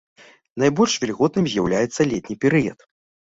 Найбольш вільготным з'яўляецца летні перыяд.